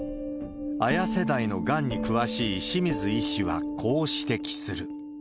ＡＹＡ世代のがんに詳しい清水医師はこう指摘する。